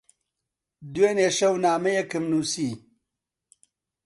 دوێنێ شەو نامەیەکم نووسی.